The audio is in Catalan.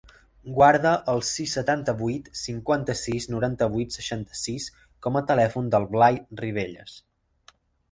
Guarda el sis, setanta-vuit, cinquanta-sis, noranta-vuit, seixanta-sis com a telèfon del Blai Ribelles.